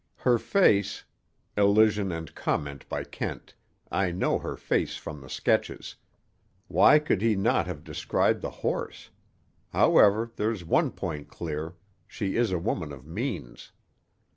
Her face—(Elision and Comment by Kent: _I know her face from the sketches. Why could he not have described the horse? However, there's one point clear: she is a woman of means.